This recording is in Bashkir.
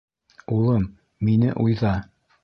Улым, мине уйҙа!..